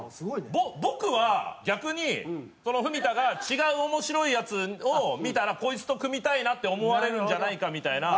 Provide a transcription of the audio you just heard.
僕は逆に文田が違う面白いヤツを見たらこいつと組みたいなって思われるんじゃないかみたいな。